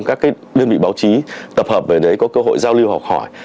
các đơn vị báo chí tập hợp với đấy có cơ hội giao lưu học hỏi